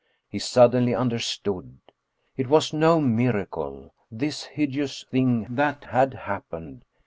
He suddenly understood it was no miracle, this hideous thing that had happened.